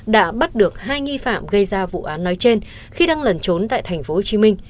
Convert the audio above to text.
đã bắt được hai nghi phạm gây ra vụ án nói trên khi đang lẩn trốn tại tp hcm